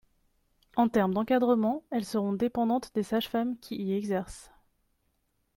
En termes d’encadrement, elles seront dépendantes des sages-femmes qui y exercent.